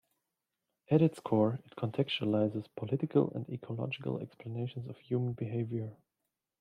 At its core, it contextualizes political and ecological explanations of human behavior.